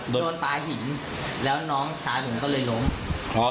โดนปลาหินแล้วน้องชายผมก็เลยล้มครับ